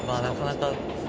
「なかなか。